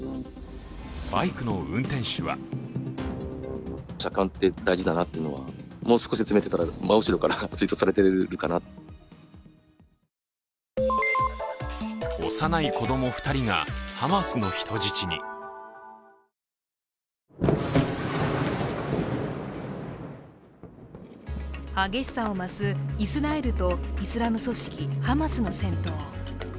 バイクの運転手は激しさを増すイスラエルとイスラム組織ハマスの戦闘。